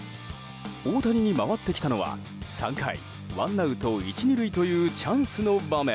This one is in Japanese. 大谷に回ってきたのは３回、ワンアウト１、２塁というチャンスの場面。